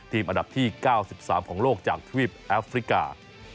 อันดับที่๙๓ของโลกจากทวีปแอฟริกา